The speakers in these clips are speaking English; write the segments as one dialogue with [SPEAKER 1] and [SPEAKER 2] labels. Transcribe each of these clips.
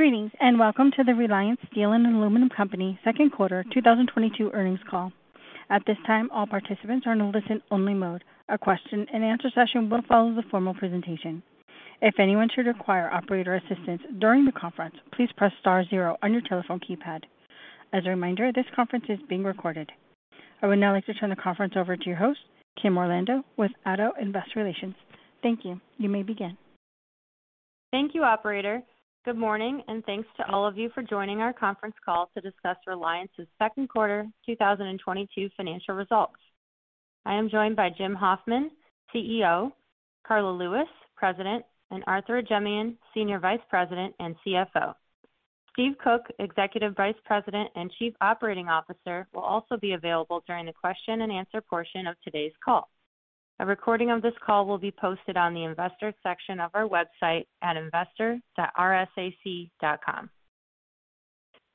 [SPEAKER 1] Greetings, and welcome to the Reliance Steel & Aluminum Co. second quarter 2022 earnings call. At this time, all participants are in listen-only mode. A question-and-answer session will follow the formal presentation. If anyone should require operator assistance during the conference, please press star zero on your telephone keypad. As a reminder, this conference is being recorded. I would now like to turn the conference over to your host, Kimberly Orlando with ADDO Investor Relations. Thank you. You may begin.
[SPEAKER 2] Thank you, operator. Good morning, and thanks to all of you for joining our conference call to discuss Reliance's second quarter 2022 financial results. I am joined by Jim Hoffman, CEO, Carla Lewis, President, and Arthur Ajemyan, Senior Vice President and CFO. Steve Koch, Executive Vice President and Chief Operating Officer, will also be available during the question-and-answer portion of today's call. A recording of this call will be posted on the investor section of our website at investor.rsac.com.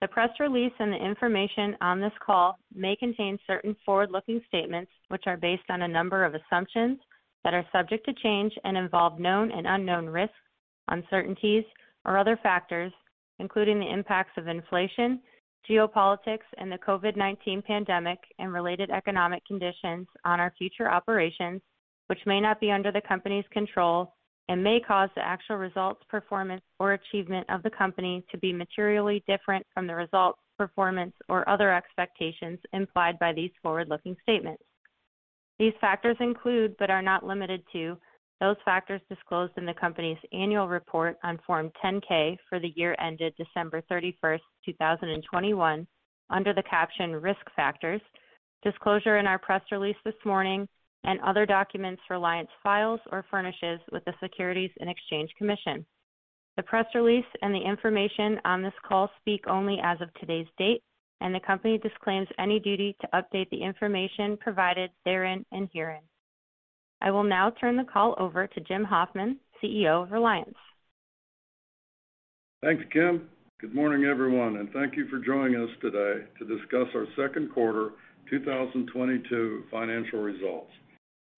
[SPEAKER 2] The press release and the information on this call may contain certain forward-looking statements which are based on a number of assumptions that are subject to change and involve known and unknown risks, uncertainties, or other factors, including the impacts of inflation, geopolitics, and the COVID-19 pandemic and related economic conditions on our future operations, which may not be under the company's control and may cause the actual results, performance, or achievement of the company to be materially different from the results, performance, or other expectations implied by these forward-looking statements. These factors include, but are not limited to, those factors disclosed in the company's annual report on Form 10-K for the year ended December 31, 2021, under the caption Risk Factors, disclosure in our press release this morning, and other documents Reliance files or furnishes with the Securities and Exchange Commission. The press release and the information on this call speak only as of today's date, and the company disclaims any duty to update the information provided therein and herein. I will now turn the call over to James D. Hoffman, CEO of Reliance.
[SPEAKER 3] Thanks, Kim. Good morning, everyone, and thank you for joining us today to discuss our second quarter 2022 financial results.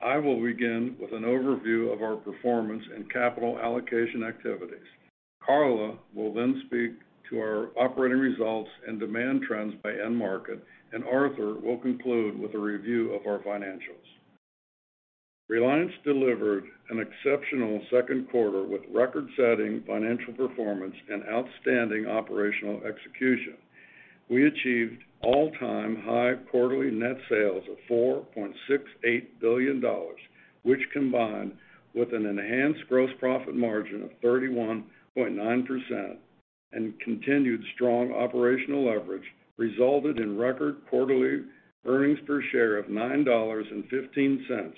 [SPEAKER 3] I will begin with an overview of our performance and capital allocation activities. Carla will then speak to our operating results and demand trends by end market, and Arthur will conclude with a review of our financials. Reliance delivered an exceptional second quarter with record-setting financial performance and outstanding operational execution. We achieved all-time high quarterly net sales of $4.68 billion, which combined with an enhanced gross profit margin of 31.9% and continued strong operational leverage resulted in record quarterly earnings per share of $9.15,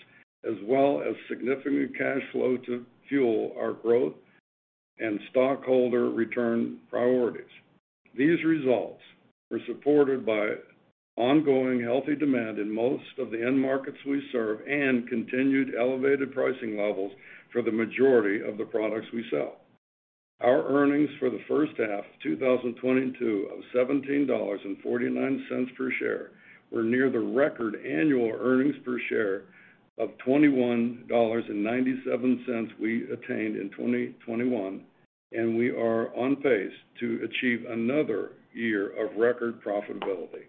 [SPEAKER 3] as well as significant cash flow to fuel our growth and stockholder return priorities. These results were supported by ongoing healthy demand in most of the end markets we serve and continued elevated pricing levels for the majority of the products we sell. Our earnings for the first half 2022 of $17.49 per share were near the record annual earnings per share of $21.97 we attained in 2021, and we are on pace to achieve another year of record profitability.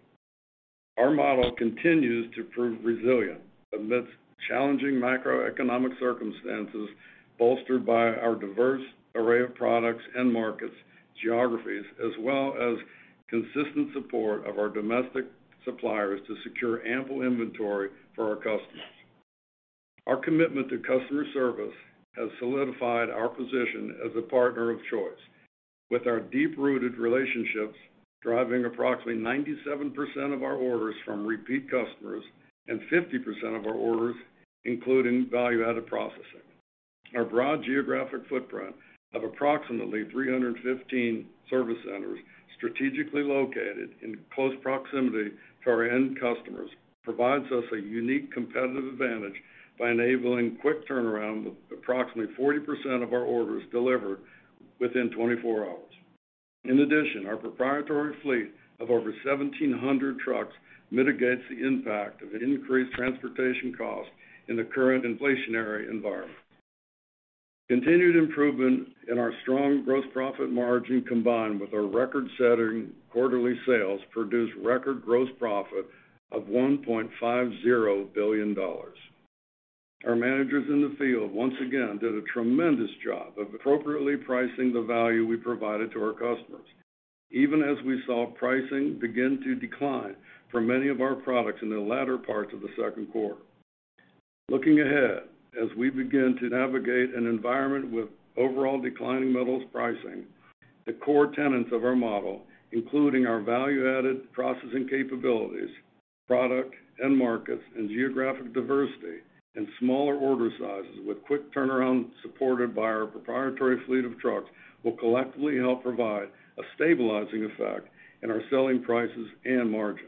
[SPEAKER 3] Our model continues to prove resilient amidst challenging macroeconomic circumstances, bolstered by our diverse array of products, end markets, geographies, as well as consistent support of our domestic suppliers to secure ample inventory for our customers. Our commitment to customer service has solidified our position as a partner of choice, with our deep-rooted relationships driving approximately 97% of our orders from repeat customers and 50% of our orders including value-added processing. Our broad geographic footprint of approximately 315 service centers strategically located in close proximity to our end customers provides us a unique competitive advantage by enabling quick turnaround, with approximately 40% of our orders delivered within 24 hours. In addition, our proprietary fleet of over 1,700 trucks mitigates the impact of increased transportation costs in the current inflationary environment. Continued improvement in our strong gross profit margin combined with our record-setting quarterly sales produced record gross profit of $1.50 billion. Our managers in the field once again did a tremendous job of appropriately pricing the value we provided to our customers, even as we saw pricing begin to decline for many of our products in the latter parts of the second quarter. Looking ahead, as we begin to navigate an environment with overall declining metals pricing, the core tenets of our model, including our value-added processing capabilities, product, end markets, and geographic diversity, and smaller order sizes with quick turnaround supported by our proprietary fleet of trucks, will collectively help provide a stabilizing effect in our selling prices and margins.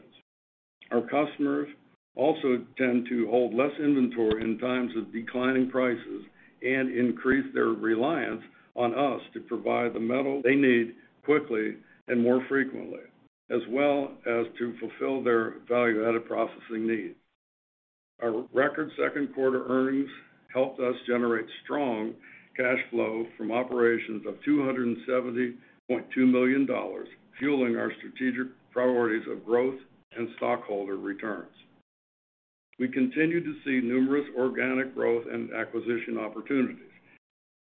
[SPEAKER 3] Our customers also tend to hold less inventory in times of declining prices and increase their reliance on us to provide the metal they need quickly and more frequently, as well as to fulfill their value-added processing needs. Our record second quarter earnings helped us generate strong cash flow from operations of $270.2 million, fueling our strategic priorities of growth and stockholder returns. We continue to see numerous organic growth and acquisition opportunities.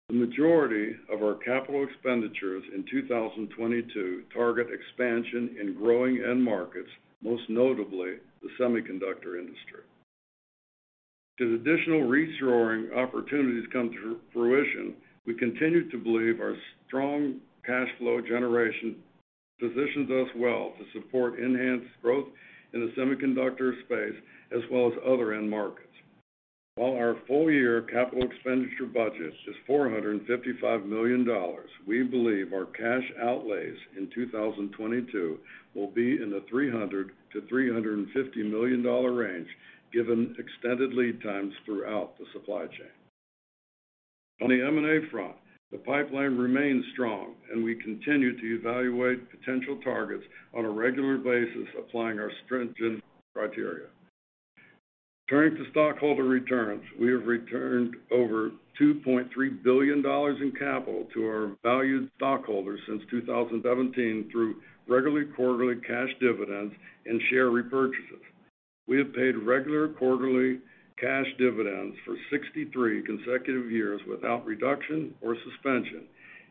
[SPEAKER 3] The majority of our capital expenditures in 2022 target expansion in growing end markets, most notably the semiconductor industry. As additional acquisition opportunities come to fruition, we continue to believe our strong cash flow generation positions us well to support enhanced growth in the semiconductor space as well as other end markets. While our full-year capital expenditure budget is $455 million, we believe our cash outlays in 2022 will be in the $300 million to $350 million range given extended lead times throughout the supply chain. On the M&A front, the pipeline remains strong and we continue to evaluate potential targets on a regular basis, applying our stringent criteria. Turning to stockholder returns, we have returned over $2.3 billion in capital to our valued stockholders since 2017 through regular quarterly cash dividends and share repurchases. We have paid regular quarterly cash dividends for 63 consecutive years without reduction or suspension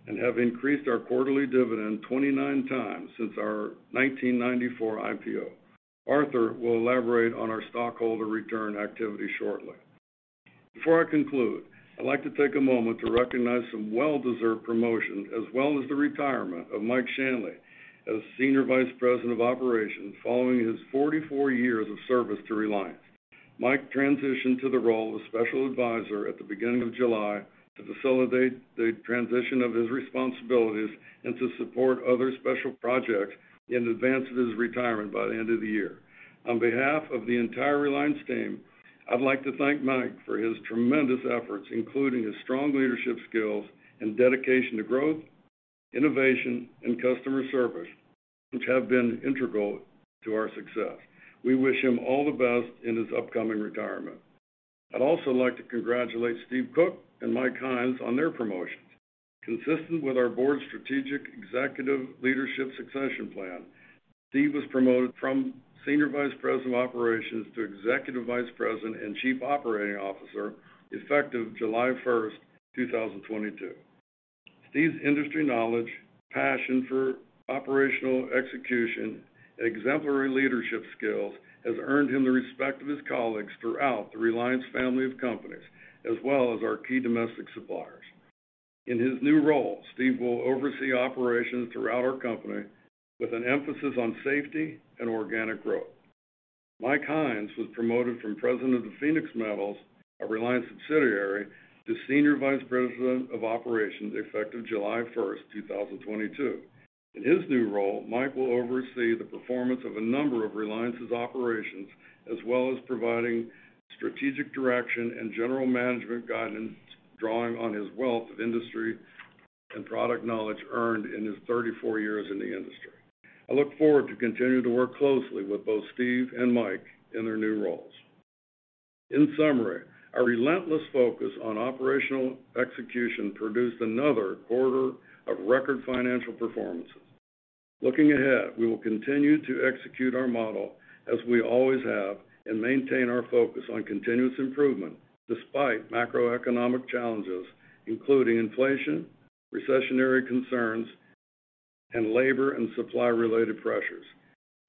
[SPEAKER 3] and have increased our quarterly dividend 29 times since our 1994 IPO. Arthur will elaborate on our stockholder return activity shortly. Before I conclude, I'd like to take a moment to recognize some well-deserved promotions as well as the retirement of Mike Shanley as Senior Vice President of Operations following his 44 years of service to Reliance. Mike transitioned to the role of Special Advisor at the beginning of July to facilitate the transition of his responsibilities and to support other special projects in advance of his retirement by the end of the year. On behalf of the entire Reliance team, I'd like to thank Mike for his tremendous efforts, including his strong leadership skills and dedication to growth, innovation, and customer service, which have been integral to our success. We wish him all the best in his upcoming retirement. I'd also like to congratulate Steve Koch and Mike Hynes on their promotions. Consistent with our board strategic executive leadership succession plan, Steve was promoted from Senior Vice President of Operations to Executive Vice President and Chief Operating Officer effective July 1, 2022. Steve's industry knowledge, passion for operational execution, exemplary leadership skills has earned him the respect of his colleagues throughout the Reliance family of companies as well as our key domestic suppliers. In his new role, Steve will oversee operations throughout our company with an emphasis on safety and organic growth. Mike Hynes was promoted from President of the Phoenix Metals, a Reliance subsidiary, to Senior Vice President of Operations effective July 1, 2022. In his new role, Mike will oversee the performance of a number of Reliance's operations as well as providing strategic direction and general management guidance, drawing on his wealth of industry and product knowledge earned in his 34 years in the industry. I look forward to continuing to work closely with both Steve and Mike in their new roles. In summary, our relentless focus on operational execution produced another quarter of record financial performances. Looking ahead, we will continue to execute our model as we always have and maintain our focus on continuous improvement despite macroeconomic challenges, including inflation, recessionary concerns, and labor and supply-related pressures.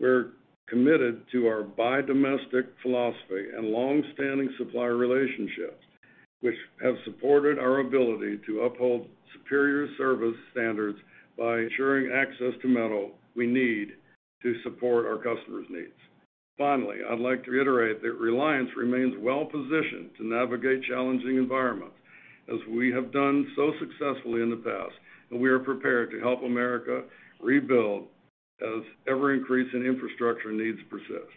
[SPEAKER 3] We're committed to our buy domestic philosophy and long-standing supplier relationships which have supported our ability to uphold superior service standards by ensuring access to metal we need to support our customers' needs. Finally, I'd like to reiterate that Reliance remains well-positioned to navigate challenging environments as we have done so successfully in the past, and we are prepared to help America rebuild as ever-increasing infrastructure needs persist.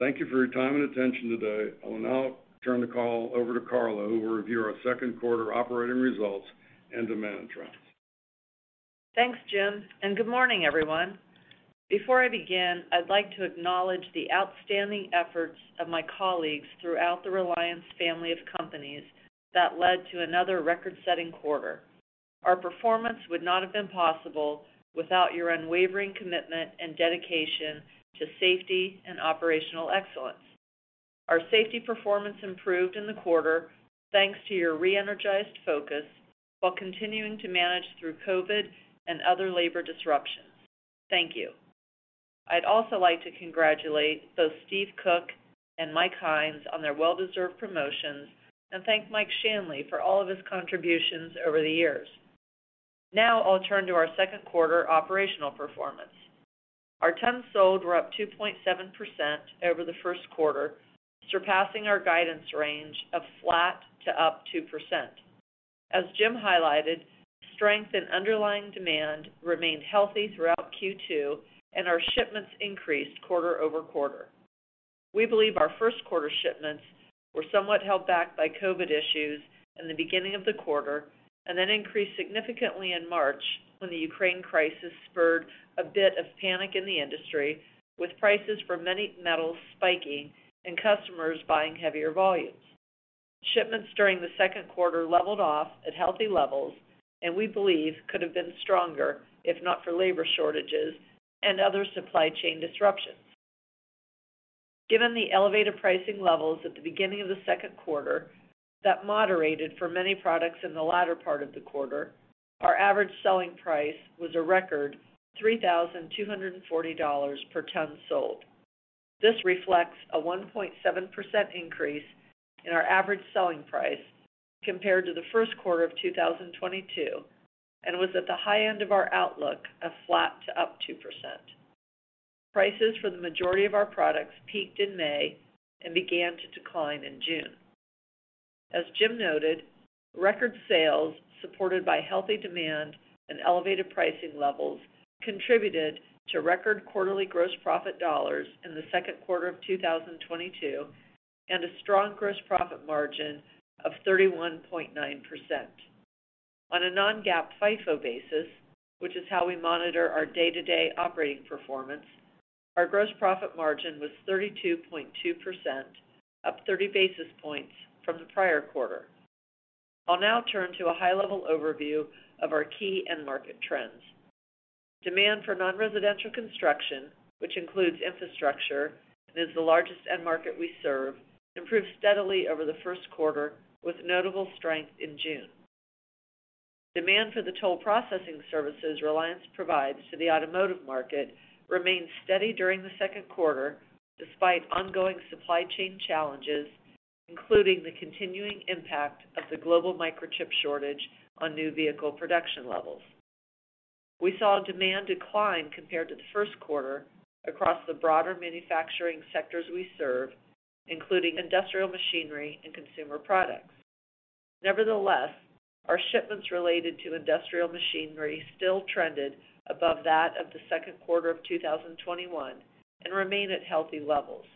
[SPEAKER 3] Thank you for your time and attention today. I will now turn the call over to Carla, who will review our second quarter operating results and demand trends.
[SPEAKER 4] Thanks, Jim, and good morning, everyone. Before I begin, I'd like to acknowledge the outstanding efforts of my colleagues throughout the Reliance family of companies that led to another record-setting quarter. Our performance would not have been possible without your unwavering commitment and dedication to safety and operational excellence. Our safety performance improved in the quarter thanks to your re-energized focus while continuing to manage through COVID and other labor disruptions. Thank you. I'd also like to congratulate both Steve Koch and Mike Hynes on their well-deserved promotions and thank Mike Shanley for all of his contributions over the years. Now I'll turn to our second quarter operational performance. Our tons sold were up 2.7% over the first quarter, surpassing our guidance range of flat to up 2%. As Jim highlighted, strength in underlying demand remained healthy throughout Q2 and our shipments increased quarter-over-quarter. We believe our first quarter shipments were somewhat held back by COVID issues in the beginning of the quarter and then increased significantly in March when the Ukraine crisis spurred a bit of panic in the industry with prices for many metals spiking and customers buying heavier volumes. Shipments during the second quarter leveled off at healthy levels, and we believe could have been stronger if not for labor shortages and other supply chain disruptions. Given the elevated pricing levels at the beginning of the second quarter that moderated for many products in the latter part of the quarter, our average selling price was a record $3,240 per ton sold. This reflects a 1.7% increase in our average selling price compared to the first quarter of 2022, and was at the high end of our outlook of flat to up 2%. Prices for the majority of our products peaked in May and began to decline in June. As Jim noted, record sales, supported by healthy demand and elevated pricing levels, contributed to record quarterly gross profit dollars in the second quarter of 2022, and a strong gross profit margin of 31.9%. On a non-GAAP FIFO basis, which is how we monitor our day-to-day operating performance, our gross profit margin was 32.2%, up 30 basis points from the prior quarter. I'll now turn to a high-level overview of our key end market trends. Demand for non-residential construction, which includes infrastructure, and is the largest end market we serve, improved steadily over the first quarter, with notable strength in June. Demand for the toll processing services Reliance provides to the automotive market remained steady during the second quarter despite ongoing supply chain challenges, including the continuing impact of the global microchip shortage on new vehicle production levels. We saw a demand decline compared to the first quarter across the broader manufacturing sectors we serve, including industrial machinery and consumer products. Nevertheless, our shipments related to industrial machinery still trended above that of the second quarter of 2021 and remain at healthy levels.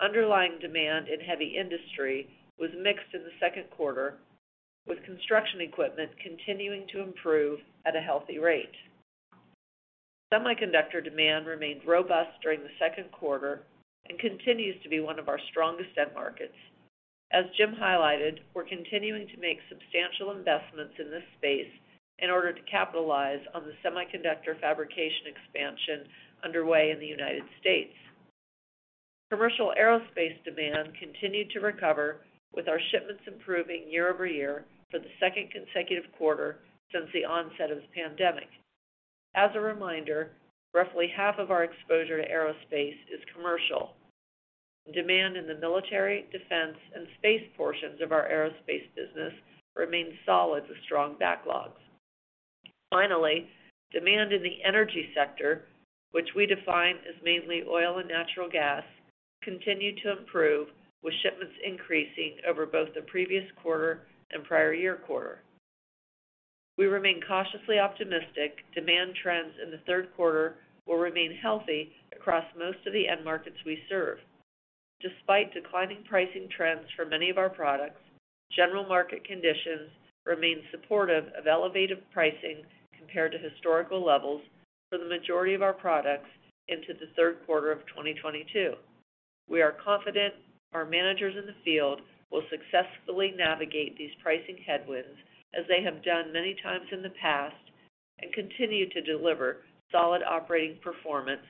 [SPEAKER 4] Underlying demand in heavy industry was mixed in the second quarter, with construction equipment continuing to improve at a healthy rate. Semiconductor demand remained robust during the second quarter and continues to be one of our strongest end markets. As Jim highlighted, we're continuing to make substantial investments in this space in order to capitalize on the semiconductor fabrication expansion underway in the United States. Commercial aerospace demand continued to recover, with our shipments improving year-over-year for the second consecutive quarter since the onset of the pandemic. As a reminder, roughly half of our exposure to aerospace is commercial. Demand in the military, defense, and space portions of our aerospace business remains solid with strong backlogs. Finally, demand in the energy sector, which we define as mainly oil and natural gas, continued to improve, with shipments increasing over both the previous quarter and prior-year quarter. We remain cautiously optimistic demand trends in the third quarter will remain healthy across most of the end markets we serve. Despite declining pricing trends for many of our products, general market conditions remain supportive of elevated pricing compared to historical levels for the majority of our products into the third quarter of 2022. We are confident our managers in the field will successfully navigate these pricing headwinds, as they have done many times in the past, and continue to deliver solid operating performance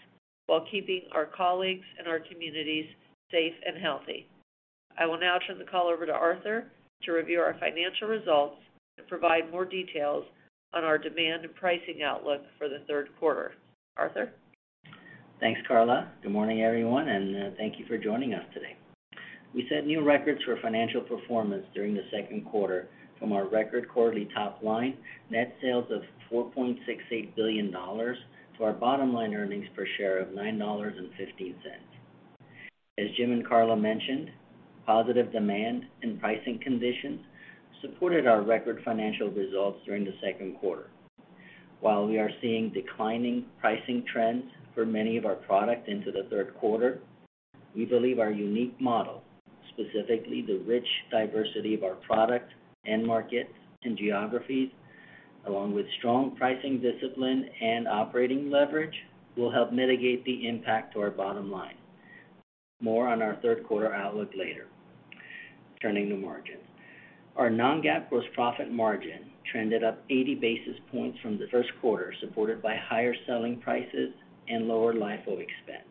[SPEAKER 4] while keeping our colleagues and our communities safe and healthy. I will now turn the call over to Arthur to review our financial results and provide more details on our demand and pricing outlook for the third quarter. Arthur?
[SPEAKER 5] Thanks, Carla. Good morning, everyone, and thank you for joining us today. We set new records for financial performance during the second quarter from our record quarterly top line net sales of $4.68 billion to our bottom line earnings per share of $9.15. As Jim and Carla mentioned, positive demand and pricing conditions supported our record financial results during the second quarter. While we are seeing declining pricing trends for many of our products into the third quarter, we believe our unique model, specifically the rich diversity of our products, end markets, and geographies, along with strong pricing discipline and operating leverage, will help mitigate the impact to our bottom line. More on our third quarter outlook later. Turning to margin. Our non-GAAP gross profit margin trended up 80 basis points from the first quarter, supported by higher selling prices and lower LIFO expense.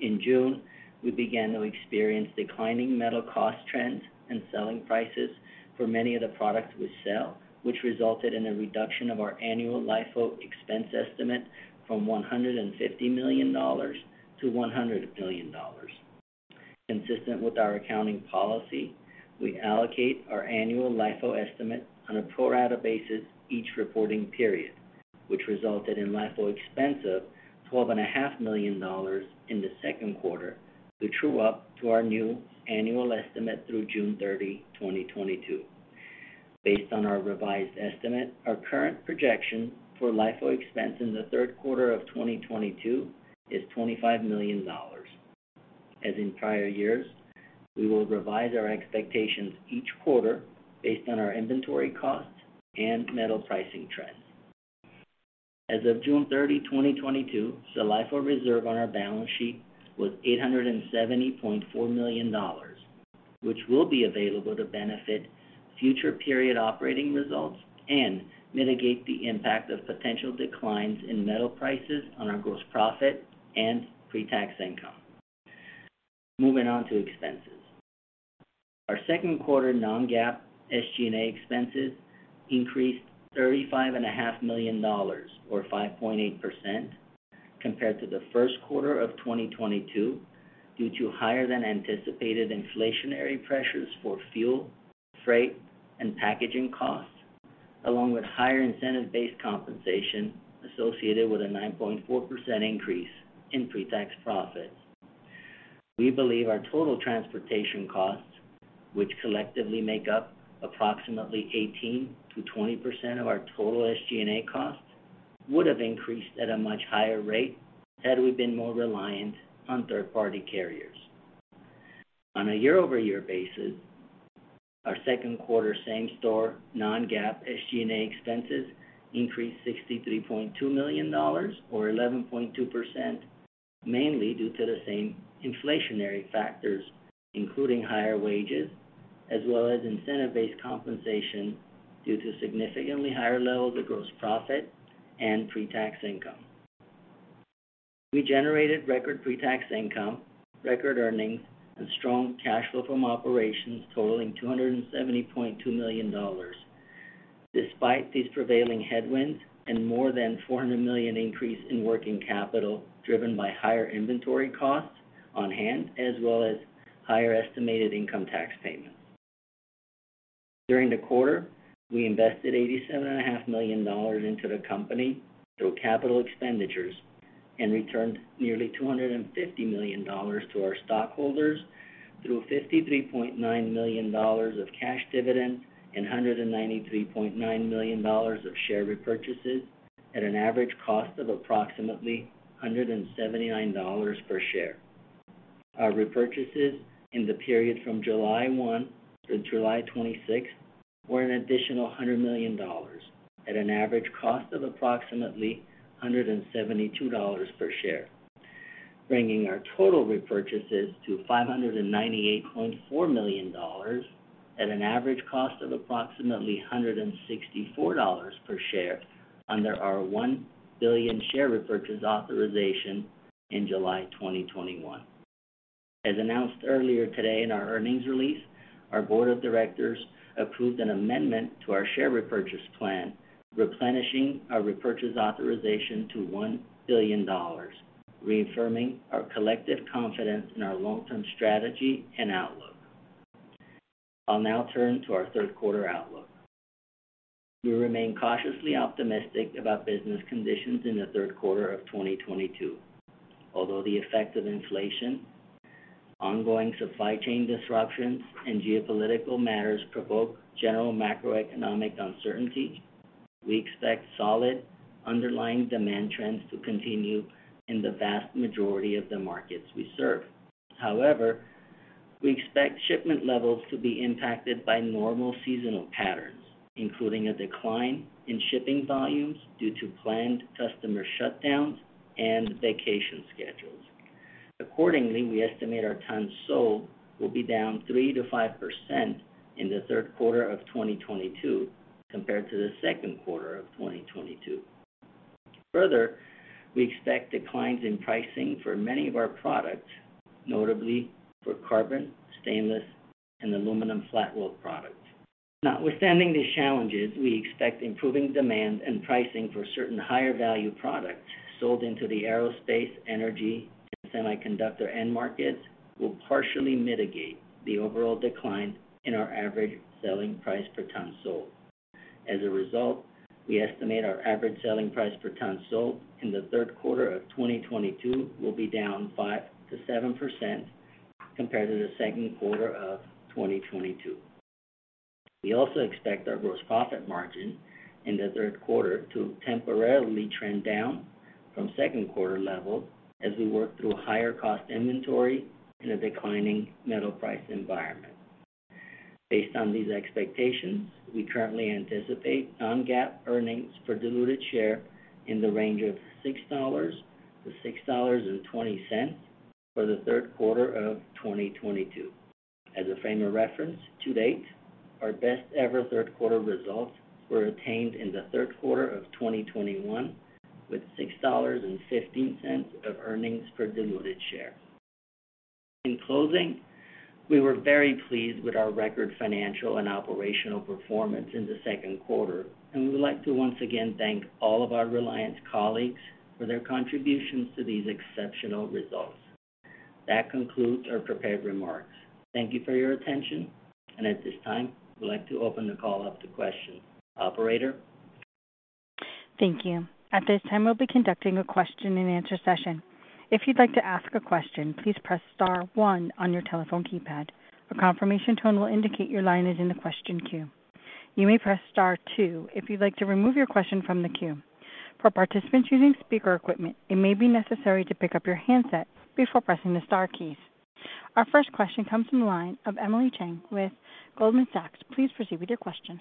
[SPEAKER 5] In June, we began to experience declining metal cost trends and selling prices for many of the products we sell, which resulted in a reduction of our annual LIFO expense estimate from $150 million to $100 million. Consistent with our accounting policy, we allocate our annual LIFO estimate on a pro rata basis each reporting period, which resulted in LIFO expense of $12.5 million in the second quarter to true up to our new annual estimate through June 30, 2022. Based on our revised estimate, our current projection for LIFO expense in the third quarter of 2022 is $25 million. As in prior years, we will revise our expectations each quarter based on our inventory costs and metal pricing trends. As of June 30, 2022, LIFO reserve on our balance sheet was $870.4 million, which will be available to benefit future period operating results and mitigate the impact of potential declines in metal prices on our gross profit and pre-tax income. Moving on to expenses. Our second quarter non-GAAP SG&A expenses increased $35.5 million, or 5.8% compared to the first quarter of 2022 due to higher than anticipated inflationary pressures for fuel, freight, and packaging costs, along with higher incentive-based compensation associated with a 9.4% increase in pre-tax profits. We believe our total transportation costs, which collectively make up approximately 18% to 20% of our total SG&A costs, would have increased at a much higher rate had we been more reliant on third-party carriers. On a year-over-year basis, our second quarter same-store non-GAAP SG&A expenses increased $63.2 million, or 11.2%, mainly due to the same inflationary factors, including higher wages as well as incentive-based compensation due to significantly higher levels of gross profit and pre-tax income. We generated record pre-tax income, record earnings and strong cash flow from operations totaling $270.2 million. Despite these prevailing headwinds and more than $400 million increase in working capital driven by higher inventory costs on hand, as well as higher estimated income tax payments. During the quarter, we invested $87.5 million into the company through capital expenditures and returned nearly $250 million to our stockholders through $53.9 million of cash dividends and $193.9 million of share repurchases at an average cost of approximately $179 per share. Our repurchases in the period from July 1 through July 26th were an additional $100 million at an average cost of approximately $172 per share, bringing our total repurchases to $598.4 million at an average cost of approximately $164 per share under our $1 billion share repurchase authorization in July 2021. As announced earlier today in our earnings release, our board of directors approved an amendment to our share repurchase plan, replenishing our repurchase authorization to $1 billion, reaffirming our collective confidence in our long-term strategy and outlook. I'll now turn to our third quarter outlook. We remain cautiously optimistic about business conditions in the third quarter of 2022. Although the effects of inflation, ongoing supply chain disruptions, and geopolitical matters provoke general macroeconomic uncertainty, we expect solid underlying demand trends to continue in the vast majority of the markets we serve. However, we expect shipment levels to be impacted by normal seasonal patterns, including a decline in shipping volumes due to planned customer shutdowns and vacation schedules. Accordingly, we estimate our tons sold will be down 3% to 5% in the third quarter of 2022 compared to the second quarter of 2022. Further, we expect declines in pricing for many of our products, notably for carbon, stainless, and aluminum flat-rolled products. Notwithstanding these challenges, we expect improving demand and pricing for certain higher value products sold into the aerospace, energy, and semiconductor end markets will partially mitigate the overall decline in our average selling price per ton sold. As a result, we estimate our average selling price per ton sold in the third quarter of 2022 will be down 5% to 7% compared to the second quarter of 2022. We also expect our gross profit margin in the third quarter to temporarily trend down from second quarter levels as we work through higher cost inventory in a declining metal price environment. Based on these expectations, we currently anticipate non-GAAP earnings per diluted share in the range of $6 to $6.20 for the third quarter of 2022. As a frame of reference, to date, our best ever third quarter results were attained in the third quarter of 2021, with $6.15 of earnings per diluted share. In closing, we were very pleased with our record financial and operational performance in the second quarter, and we would like to once again thank all of our Reliance colleagues for their contributions to these exceptional results. That concludes our prepared remarks. Thank you for your attention. At this time, we'd like to open the call up to questions. Operator?
[SPEAKER 1] Thank you. At this time, we'll be conducting a question and answer session. If you'd like to ask a question, please press star one on your telephone keypad. A confirmation tone will indicate your line is in the question queue. You may press star two if you'd like to remove your question from the queue. For participants using speaker equipment, it may be necessary to pick up your handset before pressing the star keys. Our first question comes from the line of Emily Chieng with Goldman Sachs. Please proceed with your question.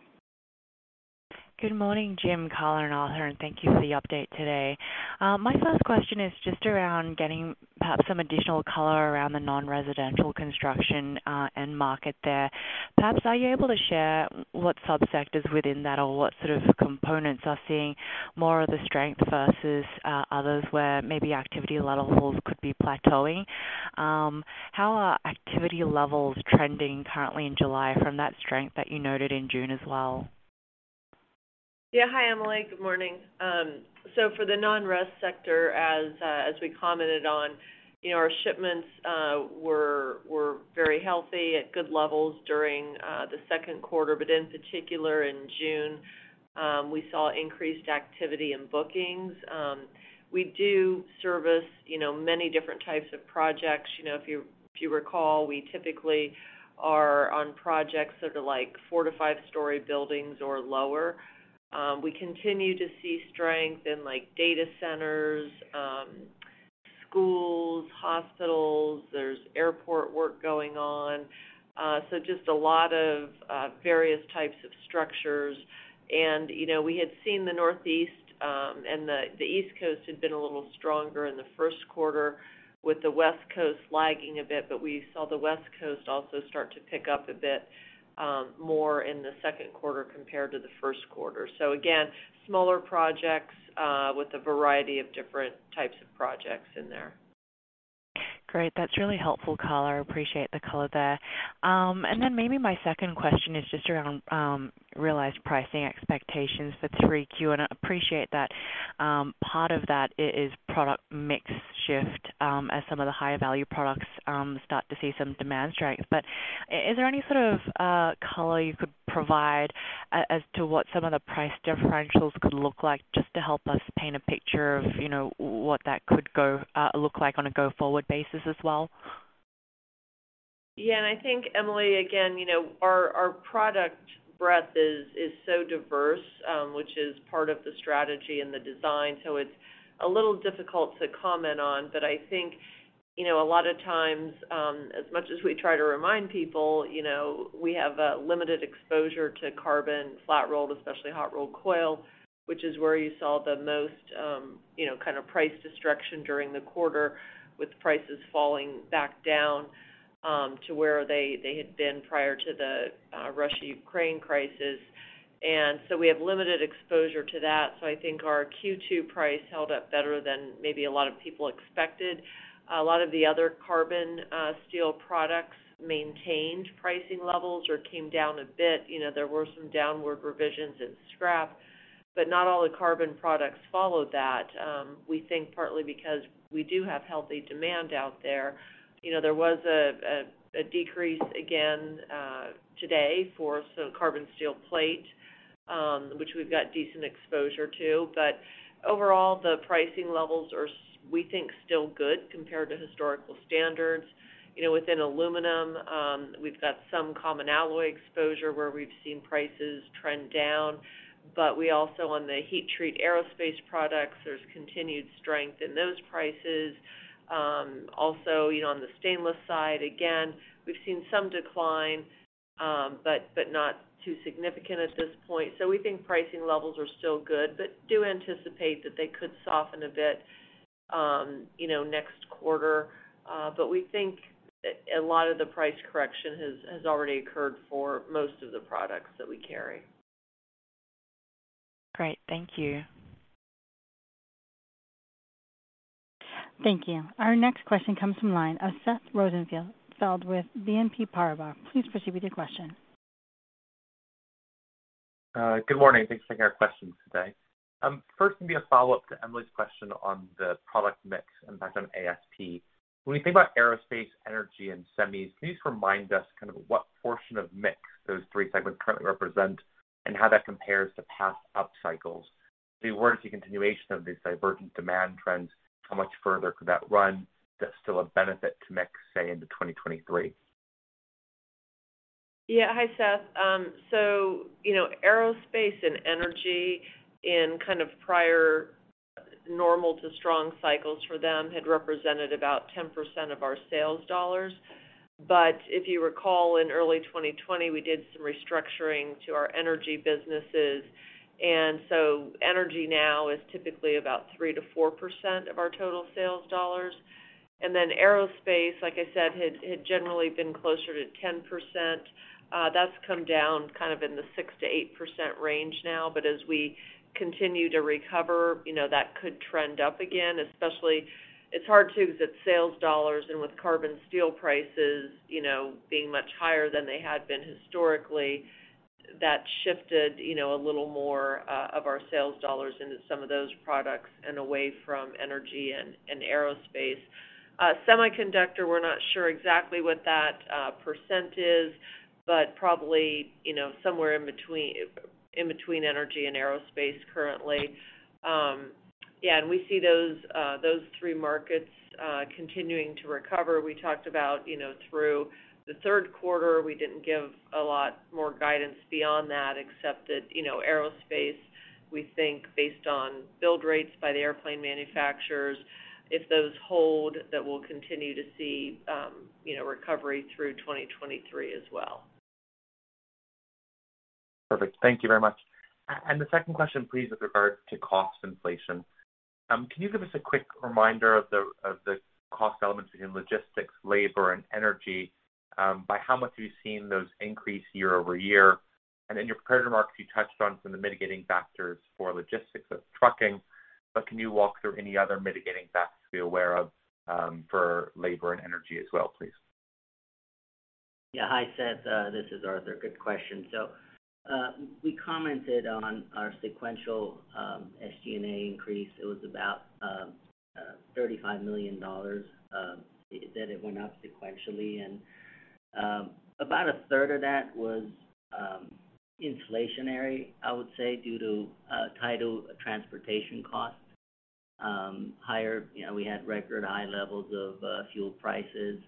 [SPEAKER 6] Good morning, Jim, Carla, and Arthur, and thank you for the update today. My first question is just around getting perhaps some additional color around the non-residential construction and market there. Perhaps, are you able to share what subsectors within that or what sort of components are seeing more of the strength versus others where maybe activity levels could be plateauing? How are activity levels trending currently in July from that strength that you noted in June as well?
[SPEAKER 4] Yeah. Hi, Emily. Good morning. For the non-res sector, as we commented on, you know, our shipments were very healthy at good levels during the second quarter, but in particular, in June, we saw increased activity in bookings. We do service, you know, many different types of projects. You know, if you recall, we typically are on projects that are, like, four to five story buildings or lower. We continue to see strength in, like, data centers, schools, hospitals. There's airport work going on. Just a lot of various types of structures. You know, we had seen the Northeast and the East Coast had been a little stronger in the first quarter with the West Coast lagging a bit, but we saw the West Coast also start to pick up a bit more in the second quarter compared to the first quarter. Again, smaller projects with a variety of different types of projects in there.
[SPEAKER 6] Great. That's really helpful color. I appreciate the color there. Maybe my second question is just around realized pricing expectations for 3Q. I appreciate that part of that is product mix shift as some of the higher value products start to see some demand strength. Is there any sort of color you could provide as to what some of the price differentials could look like just to help us paint a picture of, you know, what that could look like on a go-forward basis as well?
[SPEAKER 4] Yeah. I think, Emily, again, you know, our product breadth is so diverse, which is part of the strategy and the design, so it's a little difficult to comment on. I think, you know, a lot of times, as much as we try to remind people, you know, we have a limited exposure to carbon flat-rolled, especially hot-rolled coil, which is where you saw the most, you know, kind of price destruction during the quarter with prices falling back down, to where they had been prior to the Russia-Ukraine crisis. We have limited exposure to that. I think our Q2 price held up better than maybe a lot of people expected. A lot of the other carbon steel products maintained pricing levels or came down a bit. You know, there were some downward revisions in scrap, but not all the carbon products followed that, we think partly because we do have healthy demand out there. You know, there was a decrease again, today for some carbon steel plate, which we've got decent exposure to. Overall, the pricing levels are we think still good compared to historical standards. You know, within aluminum, we've got some common alloy exposure where we've seen prices trend down. But we also on the heat treat aerospace products, there's continued strength in those prices. Also, you know, on the stainless side, again, we've seen some decline, but not too significant at this point. We think pricing levels are still good, but do anticipate that they could soften a bit, you know, next quarter. We think a lot of the price correction has already occurred for most of the products that we carry.
[SPEAKER 6] Great. Thank you.
[SPEAKER 1] Thank you. Our next question comes from line of Seth Rosenfeld with BNP Paribas. Please proceed with your question.
[SPEAKER 7] Good morning. Thanks for taking our questions today. First gonna be a follow-up to Emily's question on the product mix impact on ASP. When we think about aerospace, energy, and semis, can you just remind us kind of what portion of mix those three segments currently represent and how that compares to past up cycles? If we were to see continuation of these divergent demand trends, how much further could that run that's still a benefit to mix, say, into 2023?
[SPEAKER 4] Yeah. Hi, Seth. You know, aerospace and energy in kind of prior normal to strong cycles for them had represented about 10% of our sales dollars. If you recall, in early 2020, we did some restructuring to our energy businesses. Energy now is typically about 3% to 4% of our total sales dollars. Aerospace, like I said, had generally been closer to 10%. That's come down kind of in the 6% to 8% range now. As we continue to recover, you know, that could trend up again, especially. It's hard to because it's sales dollars, and with carbon steel prices, you know, being much higher than they had been historically, that shifted, you know, a little more of our sales dollars into some of those products and away from energy and aerospace. Semiconductor, we're not sure exactly what that % is, but probably, you know, somewhere in between energy and aerospace currently. Yeah, we see those three markets continuing to recover. We talked about, you know, through the third quarter. We didn't give a lot more guidance beyond that except that, you know, aerospace. We think based on build rates by the airplane manufacturers, if those hold, that we'll continue to see, you know, recovery through 2023 as well.
[SPEAKER 7] Perfect. Thank you very much. The second question, please, with regard to cost inflation. Can you give us a quick reminder of the cost elements in logistics, labor, and energy? By how much have you seen those increase year over year? In your prepared remarks, you touched on some of the mitigating factors for logistics of trucking. Can you walk through any other mitigating factors to be aware of, for labor and energy as well, please?
[SPEAKER 5] Yeah. Hi, Seth. This is Arthur. Good question. We commented on our sequential SG&A increase. It was about $35 million that it went up sequentially. About a third of that was inflationary, I would say, due to total transportation costs. You know, we had record high levels of fuel prices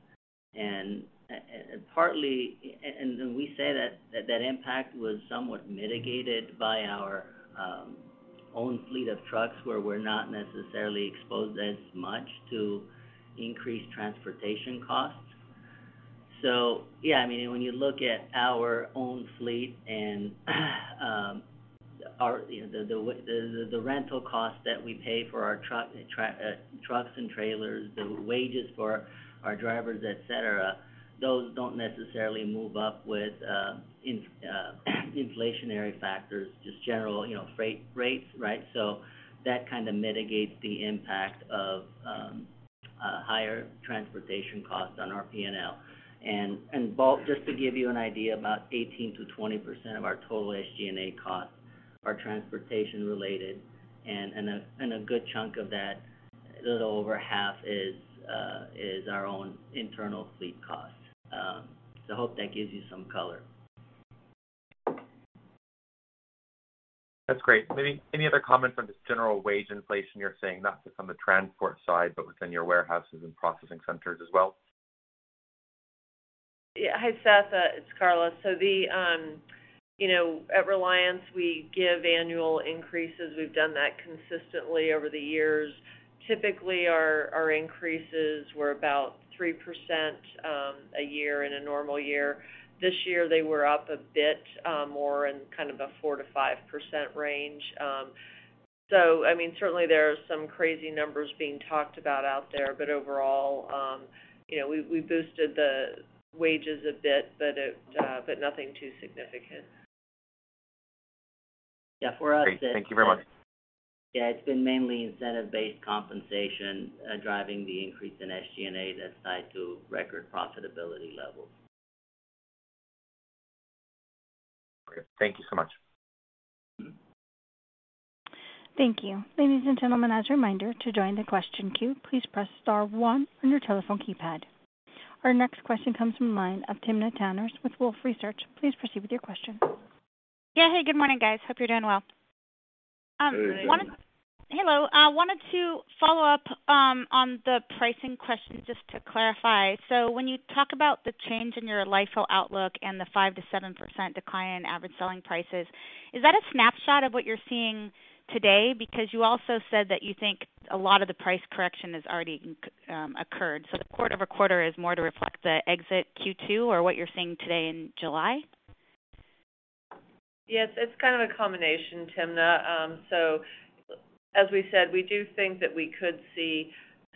[SPEAKER 5] and we said that impact was somewhat mitigated by our own fleet of trucks, where we're not necessarily exposed as much to increased transportation costs. Yeah, I mean, when you look at our own fleet and our rental costs that we pay for our trucks and trailers, the wages for our drivers, et cetera, those don't necessarily move up with inflationary factors, just general, you know, freight rates, right? That kind of mitigates the impact of higher transportation costs on our P&L. Seth Rosenfeld, just to give you an idea, about 18% to 20% of our total SG&A costs are transportation-related, and a good chunk of that, a little over half is our own internal fleet costs. I hope that gives you some color.
[SPEAKER 7] That's great. Any other comment from just general wage inflation you're seeing, not just on the transport side, but within your warehouses and processing centers as well?
[SPEAKER 4] Yeah. Hi, Seth, it's Carla. You know, at Reliance, we give annual increases. We've done that consistently over the years. Typically, our increases were about 3% a year in a normal year. This year they were up a bit more in kind of a 4% to 5% range. I mean, certainly there are some crazy numbers being talked about out there, but overall, you know, we boosted the wages a bit, but nothing too significant.
[SPEAKER 5] Yeah. For us, it's.
[SPEAKER 7] Great. Thank you very much.
[SPEAKER 5] Yeah, it's been mainly incentive-based compensation, driving the increase in SG&A that's tied to record profitability levels.
[SPEAKER 7] Great. Thank you so much.
[SPEAKER 1] Thank you. Ladies and gentlemen, as a reminder, to join the question queue, please press star one on your telephone keypad. Our next question comes from the line of Timna Tanners with Wolfe Research. Please proceed with your question.
[SPEAKER 8] Yeah. Hey, good morning, guys. Hope you're doing well.
[SPEAKER 5] Hey.
[SPEAKER 8] Hello. I wanted to follow up on the pricing question just to clarify. When you talk about the change in your LIFO outlook and the 5% to 7% decline in average selling prices, is that a snapshot of what you're seeing today? Because you also said that you think a lot of the price correction has already occurred. The quarter-over-quarter is more to reflect the exit Q2 or what you're seeing today in July?
[SPEAKER 4] Yes, it's kind of a combination, Timna. As we said, we do think that we could see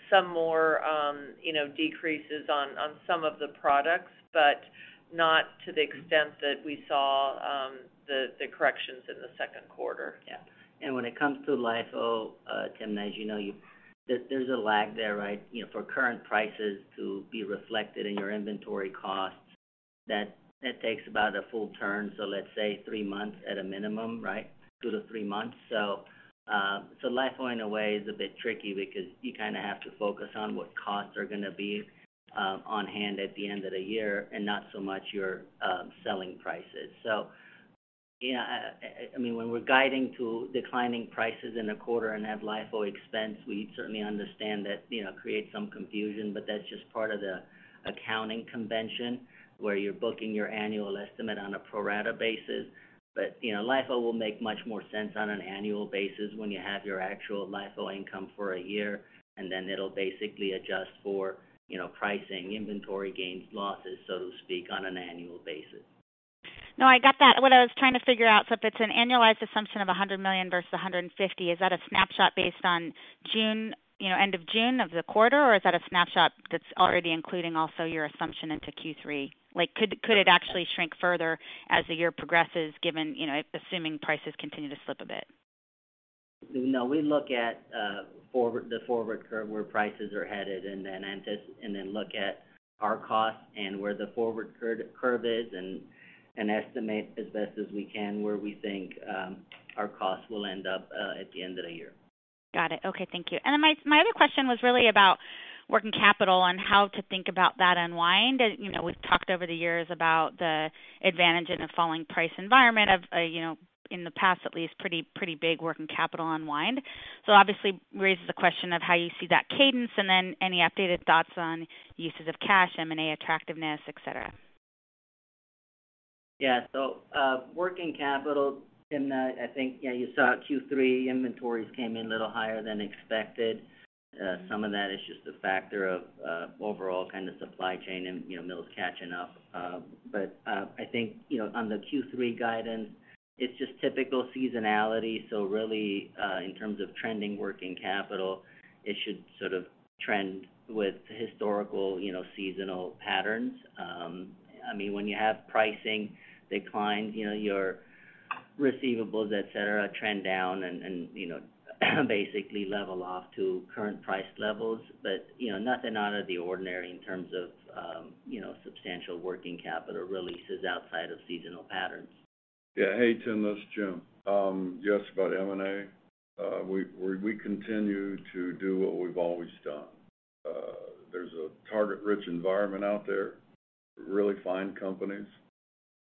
[SPEAKER 4] some more, you know, decreases on some of the products, but not to the extent that we saw the corrections in the second quarter.
[SPEAKER 5] Yeah. When it comes to LIFO, Timna, as you know, there's a lag there, right? You know, for current prices to be reflected in your inventory costs, that takes about a full turn. Let's say three months at a minimum, right? two to three months. LIFO in a way is a bit tricky because you kinda have to focus on what costs are gonna be on hand at the end of the year and not so much your selling prices. Yeah, I mean, when we're guiding to declining prices in a quarter and have LIFO expense, we certainly understand that, you know, creates some confusion, but that's just part of the accounting convention, where you're booking your annual estimate on a pro rata basis. you know, LIFO will make much more sense on an annual basis when you have your actual LIFO income for a year, and then it'll basically adjust for, you know, pricing, inventory gains, losses, so to speak, on an annual basis.
[SPEAKER 8] No, I got that. What I was trying to figure out, so if it's an annualized assumption of $100 million versus $150, is that a snapshot based on June, you know, end of June of the quarter? Or is that a snapshot that's already including also your assumption into Q3? Like, could it actually shrink further as the year progresses, given, you know, if assuming prices continue to slip a bit?
[SPEAKER 5] No, we look at the forward curve, where prices are headed, and then look at our costs and where the forward curve is, and estimate as best as we can where we think our costs will end up at the end of the year.
[SPEAKER 8] Got it. Okay, thank you. My other question was really about working capital and how to think about that unwind. You know, we've talked over the years about the advantage in a falling price environment of, you know, in the past at least, pretty big working capital unwind. Obviously raises the question of how you see that cadence and then any updated thoughts on uses of cash, M&A attractiveness, et cetera.
[SPEAKER 5] Yeah. Working capital in that, I think, you saw Q3 inventories came in a little higher than expected. Some of that is just a factor of overall kind of supply chain and, you know, mills catching up. I think, you know, on the Q3 guidance, it's just typical seasonality. Really, in terms of trending working capital, it should sort of trend with historical, you know, seasonal patterns. I mean, when you have pricing declines, you know, your receivables, et cetera, trend down and, you know, basically level off to current price levels. You know, nothing out of the ordinary in terms of, you know, substantial working capital releases outside of seasonal patterns.
[SPEAKER 3] Yeah. Hey, Tim. This is Jim. Yes, about M&A. We continue to do what we've always done. There's a target-rich environment out there, really fine companies,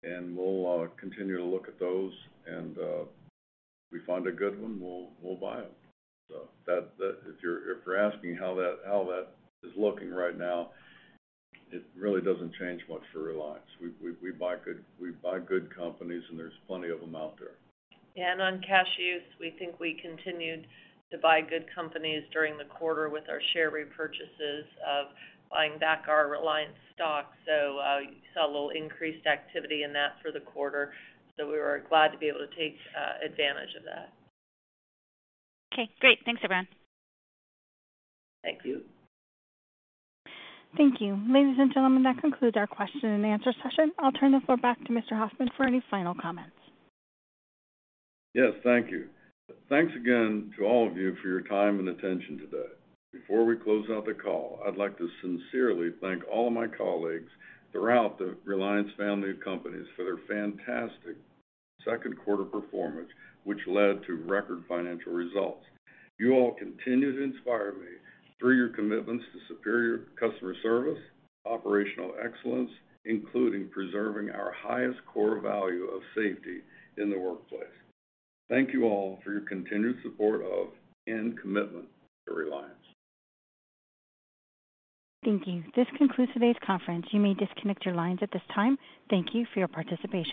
[SPEAKER 3] and we'll continue to look at those. If we find a good one, we'll buy them. If you're asking how that is looking right now, it really doesn't change much for Reliance. We buy good companies, and there's plenty of them out there.
[SPEAKER 4] On cash use, we think we continued to buy good companies during the quarter with our share repurchases of buying back our Reliance stock. You saw a little increased activity in that for the quarter. We were glad to be able to take advantage of that.
[SPEAKER 8] Okay, great. Thanks, everyone.
[SPEAKER 4] Thank you.
[SPEAKER 1] Thank you. Ladies and gentlemen, that concludes our question and answer session. I'll turn the floor back to Mr. Hoffman for any final comments.
[SPEAKER 3] Yes, thank you. Thanks again to all of you for your time and attention today. Before we close out the call, I'd like to sincerely thank all of my colleagues throughout the Reliance family of companies for their fantastic second quarter performance, which led to record financial results. You all continue to inspire me through your commitments to superior customer service, operational excellence, including preserving our highest core value of safety in the workplace. Thank you all for your continued support of and commitment to Reliance.
[SPEAKER 1] Thank you. This concludes today's conference. You may disconnect your lines at this time. Thank you for your participation.